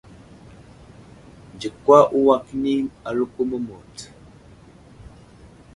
Nzikwa uway kəni aləko məmut.